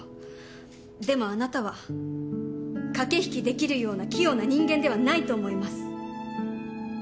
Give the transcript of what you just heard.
でもあなたは駆け引きできるような器用な人間ではないと思います。